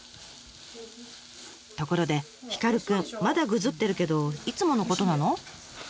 ところでヒカルくんまだグズってるけどいつものことなの？